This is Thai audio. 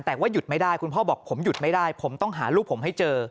แต่ว่าหยุดไม่ได้คุณพ่อบอกผมหยุดไม่ได้ผมต้องหาลูกผมให้เจอ